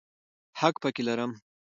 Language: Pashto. حق پکې لرم.